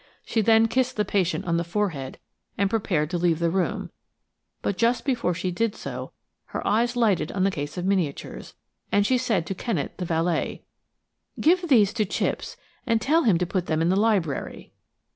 She then kissed the patient on the forehead and prepared to leave the room; but just before she did so, her eyes lighted on the case of miniatures, and she said to Kennet, the valet: "Give these to Chipps, and tell him to put them in the library."